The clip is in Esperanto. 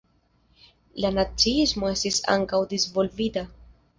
La naciismo estis ankaŭ disvolvita.